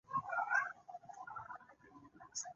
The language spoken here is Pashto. دویم خلیفه ورته وویل دکوم ځای یې؟